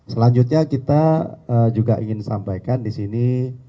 selanjutnya kita juga ingin sampaikan disini